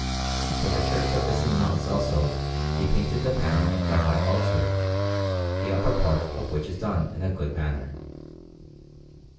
For the church of the same monks, also, he painted the panel of the high altar, the upper part of which is done in a good manner.